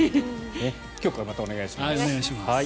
今日からまたお願いします。